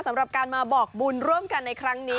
สำหรับการมาบอกบุญร่วมกันในครั้งนี้